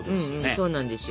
そうなんですよ。